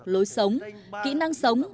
lối sống kỹ năng sống